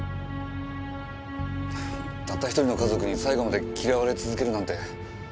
たった１人の家族に最後まで嫌われ続けるなんて。